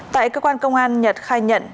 tại cơ quan công an nhật khai nhận